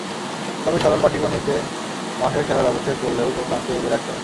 তবে সরল পাটিগণিতে মাঠের খেলার ব্যবচ্ছেদ করলেও তো ফ্রান্সকে এগিয়ে রাখতে হয়।